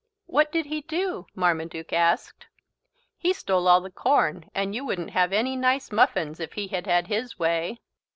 "What did he do?" Marmaduke asked. "He stole all the corn and you wouldn't have any nice muffins if he had had his way.